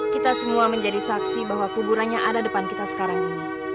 kita semua menjadi saksi bahwa kuburannya ada depan kita sekarang ini